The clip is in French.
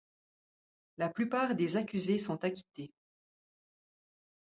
La plupart des accusés sont acquittés.